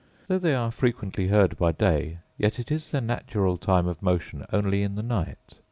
Though they are frequently heard by day, yet is their natural time of motion only in the night.